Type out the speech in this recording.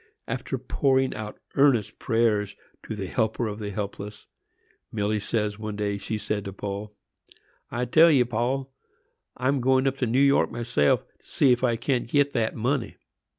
After pouring out earnest prayers to the Helper of the helpless, Milly says, one day she said to Paul, "I tell ye, Paul, I'm going up to New York myself, to see if I can't get that money."